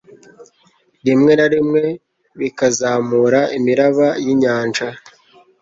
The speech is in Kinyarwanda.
rimwe na rimwe bikazamura imiraba y'inyanja